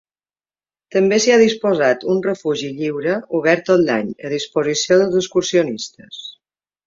També s'hi ha disposat un refugi lliure, obert tot l'any, a disposició dels excursionistes.